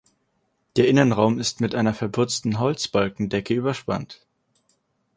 Der Innenraum ist mit einer verputzten Holzbalkendecke überspannt.